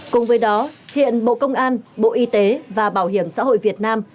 cùng với đó hiện bộ công an bộ y tế và bảo hiểm xã hội việt nam